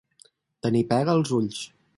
Tenir pega als ulls.